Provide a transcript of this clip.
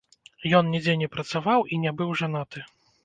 Ён нідзе не працаваў і не быў жанаты.